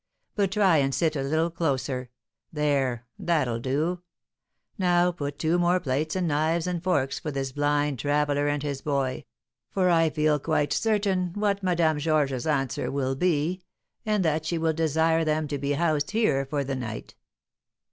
But try and sit a little closer; there, that'll do; now put two more plates and knives and forks for this blind traveller and his boy, for I feel quite certain what Madame Georges's answer will be, and that she will desire them to be housed here for the night."